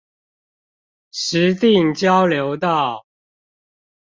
石碇交流道